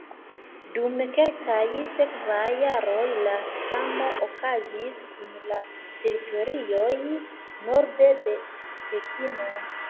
Dum kelkaj sekvaj jaroj la samo okazis kun la teritorioj norde de Pekino.